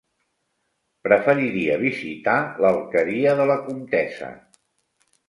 Preferiria visitar l'Alqueria de la Comtessa.